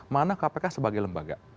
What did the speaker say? mana kpk sebagai lembaga